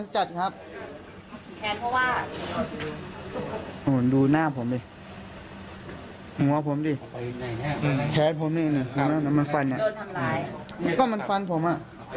จริงแล้วทำไมต้องตัดขอแค้นมันจัดครับแค้นเพราะว่า